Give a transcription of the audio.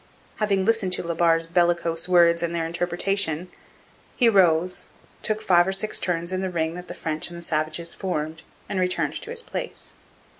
Having listened to La Barre's bellicose words and their interpretation, 'he rose, took five or six turns in the ring that the French and the savages formed, and returned to his place.